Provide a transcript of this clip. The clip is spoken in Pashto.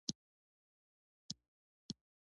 شېروشکر به شو.